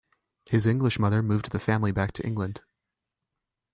His English mother moved the family back to England.